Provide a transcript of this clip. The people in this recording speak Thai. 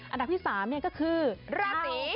อันดับที่๓ก็คือราศี